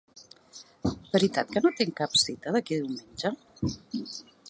Veritat que no tinc cap cita d'aquí a diumenge?